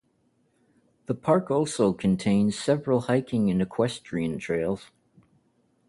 The park also contains several hiking and equestrian trails.